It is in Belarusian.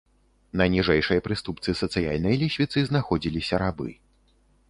На ніжэйшай прыступцы сацыяльнай лесвіцы знаходзіліся рабы.